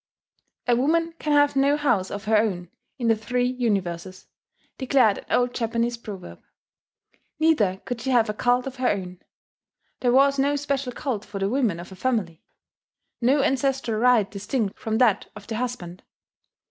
"A woman can have no house of her own in the Three Universes," declared an old Japanese proverb. Neither could she have a cult of her own: there was no special cult for the women of a family no ancestral rite distinct from that of the husband.